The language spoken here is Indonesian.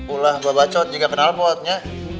ulah gue bacot juga kenal potnya